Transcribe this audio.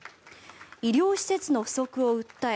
医療施設の不足を訴え